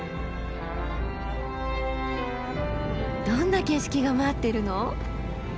どんな景色が待ってるの？